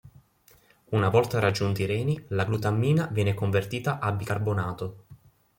Una volta raggiunti i reni, la glutammina viene convertita a bicarbonato.